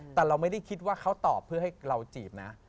แต่เราไม่ได้คิดว่าเขาตอบเพื่อให้เราจีบนะ